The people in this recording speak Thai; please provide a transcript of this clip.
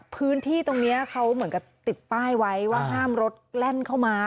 พื้นที่ตรงนี้เขาเหมือนกับติดป้ายไว้ว่าห้ามรถแล่นเข้ามา